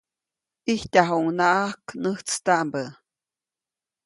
ʼIjtyajuʼuŋnaʼak näjtstaʼmbä.